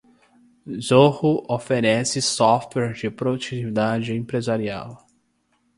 Zoho oferece software de produtividade empresarial.